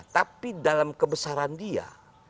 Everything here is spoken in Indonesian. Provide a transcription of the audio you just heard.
tapi dalam kebesaran dia